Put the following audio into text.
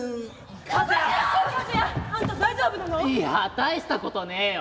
「いや大したことねえよ。